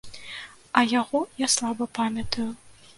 А яго я слаба памятаю.